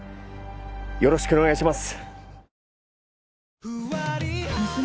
よろしくお願いします。